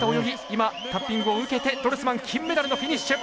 今タッピングを受けてドルスマン金メダルのフィニッシュ。